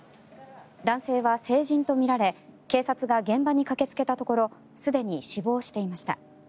男性は成人とみられ警察が現場に駆けつけたところすでに死亡していました。